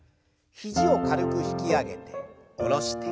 肘を軽く引き上げて下ろして。